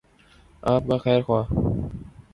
آپ کا خیرخواہ۔